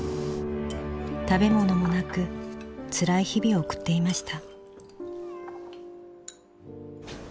食べ物もなくつらい日々を送っていました